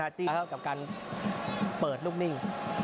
นี่เข้าทางกลับกลับเปิดลูกนิ่ง